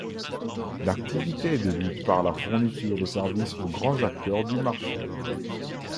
L'activité débute par la fourniture de services aux grands acteurs du marché.